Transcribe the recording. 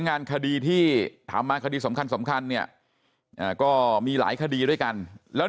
งานคดีที่ถามมาคดีสำคัญสำคัญเนี่ยก็มีหลายคดีด้วยกันแล้ว